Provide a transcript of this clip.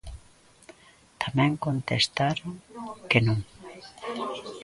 Tamén contestaron que non.